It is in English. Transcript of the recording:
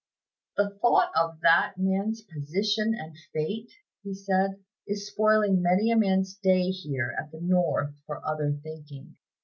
"The thought of that man's position and fate," he said, "is spoiling many a man's day here at the North for other thinking.